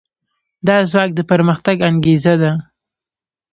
دا ځواک د پرمختګ انګېزه ده.